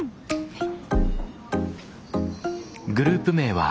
はい。